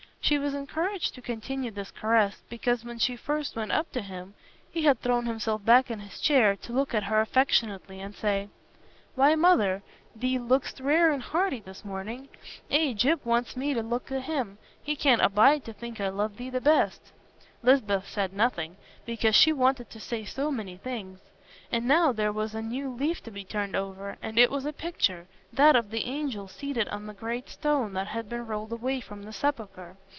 She was encouraged to continue this caress, because when she first went up to him, he had thrown himself back in his chair to look at her affectionately and say, "Why, Mother, thee look'st rare and hearty this morning. Eh, Gyp wants me t' look at him. He can't abide to think I love thee the best." Lisbeth said nothing, because she wanted to say so many things. And now there was a new leaf to be turned over, and it was a picture—that of the angel seated on the great stone that has been rolled away from the sepulchre.